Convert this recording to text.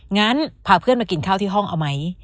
งั้นพาเพื่อนมากินข้าวที่ห้องเอาไหม